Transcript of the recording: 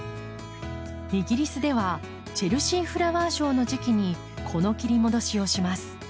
イギリスではチェルシーフラワーショーの時期にこの切り戻しをします。